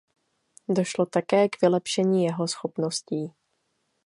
Došlo také k vylepšení jeho schopností.